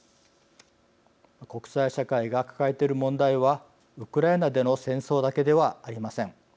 国際社会が抱えている問題はウクライナでの戦争だけではありません。